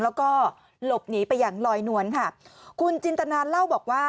แล้วก็หลบหนีไปอย่างลอยนวลค่ะคุณจินตนาเล่าบอกว่า